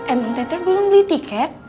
emang teteh belum beli tiket